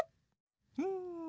うん。